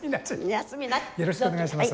よろしくお願いします。